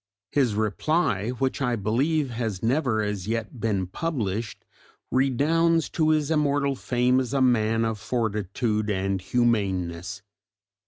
His reply, which I believe has never as yet been published, redounds to his immortal fame as a man of fortitude and humaneness.